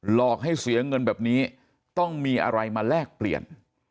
หลอกให้เสียเงินแบบนี้ต้องมีอะไรมาแลกเปลี่ยน